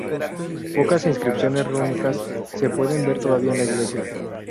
Pocas inscripciones rúnicas se pueden ver todavía en la iglesia.